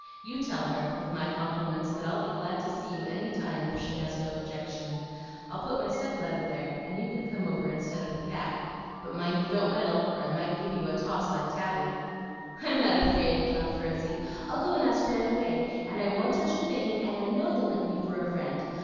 You tell her, with my compliments, that I'd be glad to see you any time if she has no objection. I'll put my step ladder there, and you can come over instead of the cat. But mind you don't meddle, or I might give you a toss like Tabby." "I'm not afraid," laughed Rosy. "I'll go and ask right away, and I won't touch a thing, and I know you'll like me for a friend.